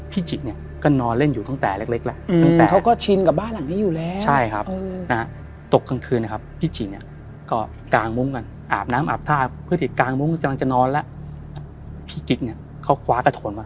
เพราะว่า